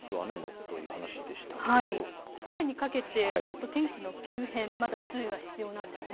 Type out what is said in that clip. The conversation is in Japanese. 今夜にかけて天気の急変、まだ注意が必要なんです。